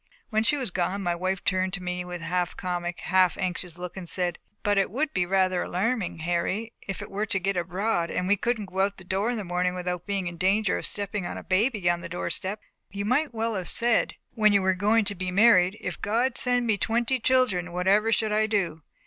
When she was gone, my wife turned to me with a half comic, half anxious look, and said: "But it would be rather alarming, Harry, if this were to get abroad, and we couldn't go out at the door in the morning without being in danger of stepping on a baby on the door step." "You might as well have said, when you were going to be married, 'If God should send me twenty children, whatever should I do?